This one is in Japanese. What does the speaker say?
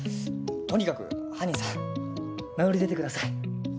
とにかく犯人さん名乗り出てください。